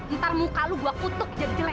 ntar muka lu gue kutuk jadi jelek